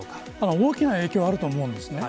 大きな影響はあると思うんですね。